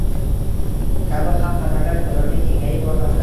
kabi xavf-xatarlar ko‘lami kengayib bormoqda.